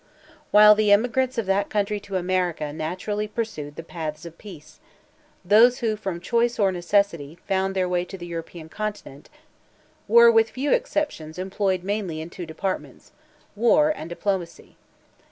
While the emigrants of that country to America naturally pursued the paths of peace, those who, from choice or necessity, found their way to the European Continent, were, with few exceptions, employed mainly in two departments—war and diplomacy.